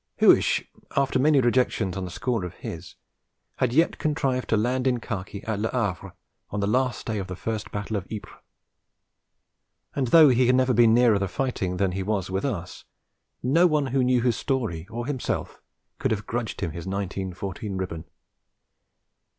Huish, after many rejections on the score of his, had yet contrived to land in khaki at Le Havre on the last day of the first battle of Ypres; and though he had never been nearer the fighting than he was with us, no one who knew his story or himself could have grudged him his 1914 ribbon.